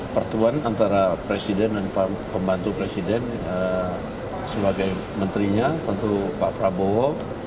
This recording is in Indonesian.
pertemuan antara presiden dan pembantu presiden sebagai menterinya tentu pak prabowo